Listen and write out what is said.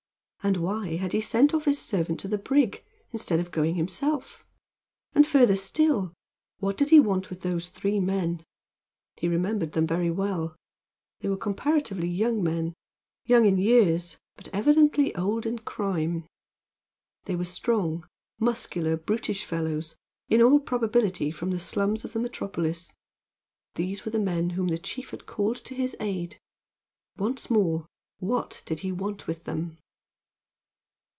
And why had he sent off his servant to the brig, instead of going himself? And, further still, what did he want with those three men? He remembered them very well. They were comparatively young men, young in years, but evidently old in crime. They were strong, muscular, brutish fellows, in all probability from the slums of the metropolis. These were the men whom the chief had called to his aid. Once more, what did he want with them?